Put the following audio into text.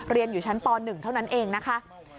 เรียนอยู่ชั้นป๑เท่านั้นเองนะคะ